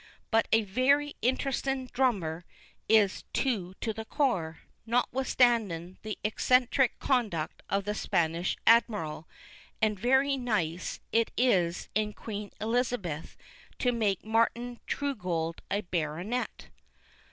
But a very interestin drammer is Troo to the Core, notwithstandin the eccentric conduct of the Spanish Admiral; and very nice it is in Queen Elizabeth to make Martin Truegold a baronet.